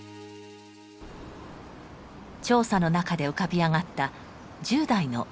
調査の中で浮かび上がった１０代のとみいさんの姿。